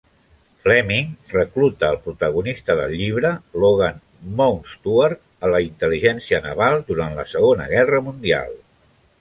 Fleming recluta el protagonista del llibre, Logan Mountstuart, a la intel·ligència naval durant la Segona Guerra Mundial.